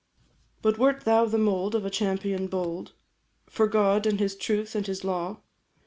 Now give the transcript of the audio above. But wert thou the mould of a champion bold For God and his truth and his law?